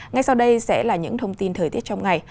ngay sau đây sẽ là những thông tin thời tiết trong ngày